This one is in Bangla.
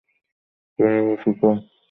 তিনি শিখ ধর্মে সামরিক ঐতিহ্য।